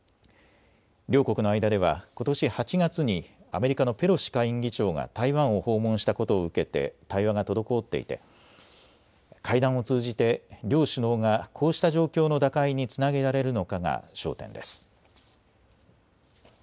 両国の間ではことし８月にアメリカのペロシ下院議長が台湾を訪問したことを受けて対話が滞っていて会談を通じて両首脳がこうした状況の打開につなげられるのかが焦点です。